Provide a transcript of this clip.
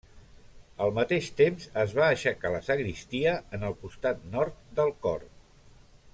Al mateix temps es va aixecar la sagristia en el costat nord del cor.